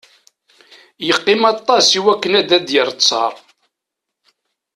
Yeqqim aṭas iwakken ad d-yerr ttar.